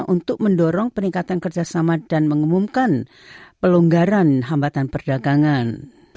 untuk mendorong peningkatan kerjasama dan mengumumkan pelonggaran hambatan perdagangan